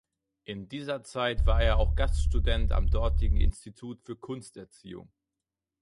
In dieser Zeit war er auch Gaststudent am dortigen Institut für Kunsterziehung.